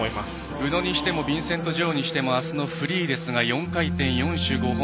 宇野にしてもビンセント・ジョウにしてもあすのフリーですが４回転、４種５本。